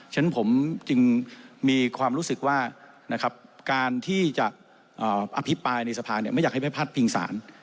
ฉะนั้นผมจึงมีความรู้สึกว่านะครับการที่จะอภิปรายในสภาไม่อยากให้ไปพาดพิงสาร